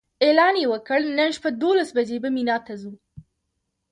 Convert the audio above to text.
اعلان یې وکړ نن شپه دولس بجې به مینا ته ځو.